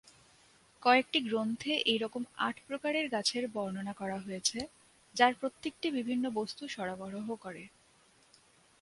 কয়েকটি গ্রন্থে এই রকম আট প্রকারের গাছের বর্ণনা করা হয়েছে, যার প্রত্যেকটি বিভিন্ন বস্তু সরবরাহ করে।